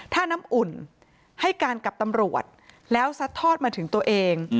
ถ้าน้ำอุ่นให้การกับตำรวจแล้วซัดทอดมาถึงตัวเอง